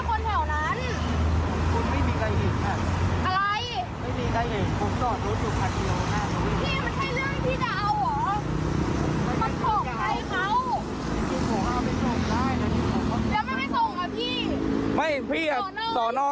เพื่อนหนูนะครับผมก็ไม่มีการพอบเลย